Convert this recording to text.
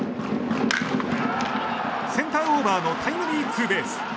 センターオーバーのタイムリーツーベース。